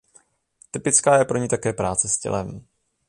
Typická je pro ni také práce s tělem.